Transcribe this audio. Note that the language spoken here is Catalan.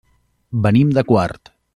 Venim de Quart.